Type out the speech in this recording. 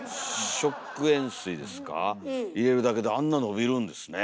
食塩水ですか入れるだけであんな伸びるんですね。